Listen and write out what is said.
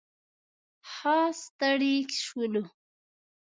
ښه ستړي شولو.